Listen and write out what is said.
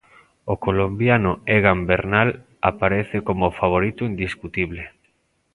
O colombiano Egan Bernal aparece como o favorito indiscutible.